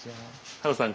ハルさん